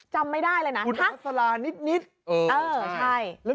จำไม่ได้เลยนะฮะคุณศาสตรานิดเออใช่